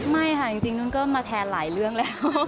ไม่ค่ะจริงนุ่นก็มาแทนหลายเรื่องแล้ว